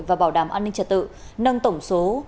và bảo đảm an ninh trật tự nâng tổng số